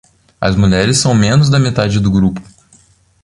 As mulheres são menos da metade do grupo.